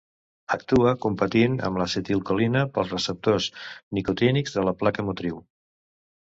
Actua competint amb l'acetilcolina pels receptors nicotínics de la placa motriu.